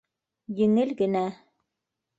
Еңел генә.